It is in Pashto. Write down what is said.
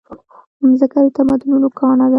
مځکه د تمدنونو ګاڼه ده.